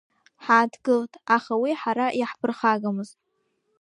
Ҳааҭгылт, аха уи ҳара иаҳԥырхагамызт.